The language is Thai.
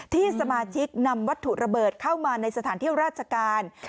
ที่สมาชิกนำวัตถุระเบิดเข้ามาในสถานที่ราชการ